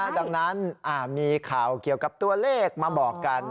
ดังนั้นมีข่าวเกี่ยวกับตัวเลขมาบอกกัน